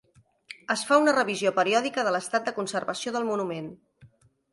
Es fa una revisió periòdica de l'estat de conservació del monument.